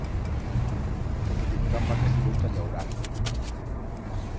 Perque teniban vacas y bous ta llaurar